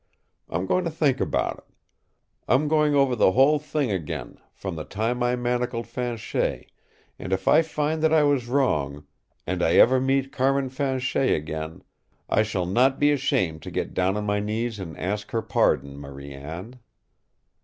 I'm going to think about it. I'm going over the whole thing again, from the time I manacled Fanchet, and if I find that I was wrong and I ever meet Carmin Fanchet again I shall not be ashamed to get down on my knees and ask her pardon, Marie Anne!"